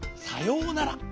さようなら。